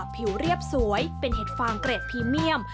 ผิวเรียบสวยเป็นเห็ดฟางเกรดพรีเมียม